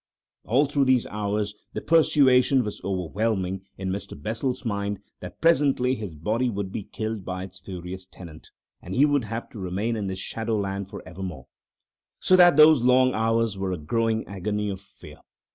All through those hours the persuasion was overwhelming in Mr. Bessel's mind that presently his body would be killed by its furious tenant, and he would have to remain in this shadow land for evermore. So that those long hours were a growing agony of fear.